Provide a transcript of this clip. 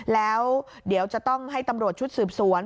แล้วเดี๋ยวจะต้องให้ตำรวจชุดสืบสวน